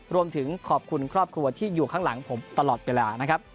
รวมถึงขอบคุณครอบครัวที่อยู่ข้างหลังผมตลอดเวลานะครับ